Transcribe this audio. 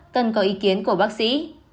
cần có ý kiến của bác sĩ